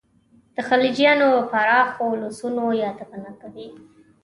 د خلجیانو پراخو اولسونو یادونه کوي.